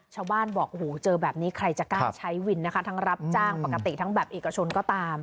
ชาวบ้านบอกโอ้โหเจอแบบนี้ใครจะกล้าใช้วินนะคะทั้งรับจ้างปกติทั้งแบบเอกชนก็ตาม